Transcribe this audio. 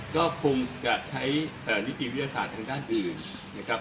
ก็คงจะใช้นิติวิทยาศาสตร์ทางด้านอื่นนะครับ